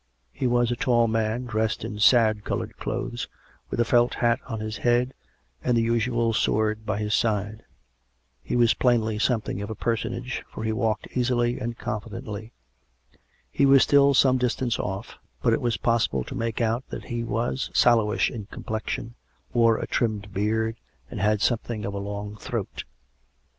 He was a tall man, dressed in sad coloured clothes, with a felt hat on his head and the usual sword by his side. He was plainly something of a personage, for he walked easily and confidently. He was still some distance off; but it was possible to make out that he was sallowish in complexion, wore a trimmed beard, and had something of a long throat.